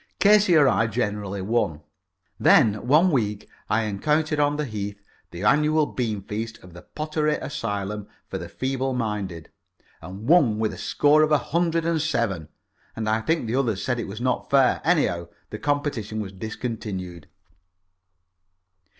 Casey or I generally won. Then one week I encountered on the Heath the annual beanfeast of the Pottey Asylum for the Feeble minded, and won with a score of a hundred and seven, and I think the others said it was not fair. Anyhow, the competitions were discontinued.